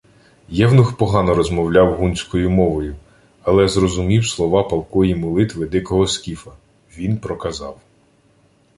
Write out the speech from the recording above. Євнух погано розмовляв гунською мовою, але зрозумів слова палкої молитви дикого скіфа. Він проказав: